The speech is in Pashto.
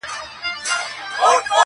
چي كتل يې زما تېره تېره غاښونه!.